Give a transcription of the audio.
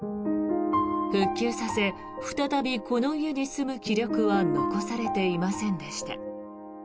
復旧させ再びこの家に住む気力は残されていませんでした。